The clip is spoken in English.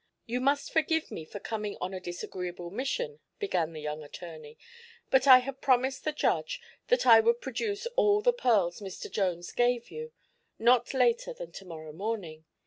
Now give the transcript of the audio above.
"You must forgive me for coming on a disagreeable mission," began the young attorney, "but I have promised the judge that I would produce all the pearls Mr. Jones gave you, not later than to morrow morning.